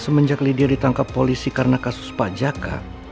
semenjak lydia ditangkap polisi karena kasus pajaka